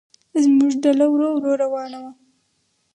زموږ ډله ورو ورو روانه وه.